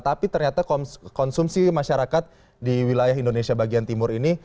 tapi ternyata konsumsi masyarakat di wilayah indonesia bagian timur ini